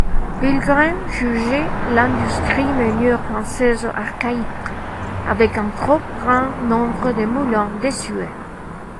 Vilgrain jugeait l'industrie meunière française archaïque, avec un trop grand nombre de moulins désuets.